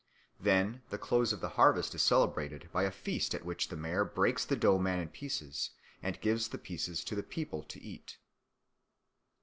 Then the close of the harvest is celebrated by a feast at which the mayor breaks the dough man in pieces and gives the pieces to the people to eat.